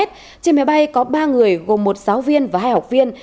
trên máy bay có ba người gồm một giáo viên và hai học viên